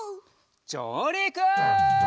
じょうりく！